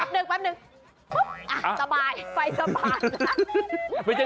อ่ะปั๊บนึกปั๊บนึกอ่ะสบายไปสบาย